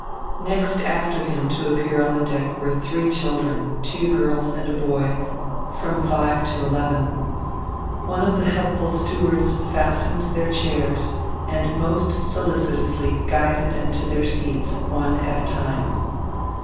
Next after him to appear on deck were three children, two girls and a boy, of from five to eleven. One of the helpful stewards fastened their chairs and most solicitously guided them to their seats, one at a time.